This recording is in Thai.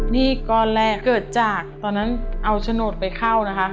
นี่ก้อนแรกเกิดจากตอนนั้นเอาโฉนดไปเข้านะคะ